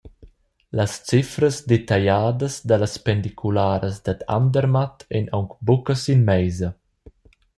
Las cefras detagliadas dallas Pendicularas dad Andermatt ein aunc buca sin meisa.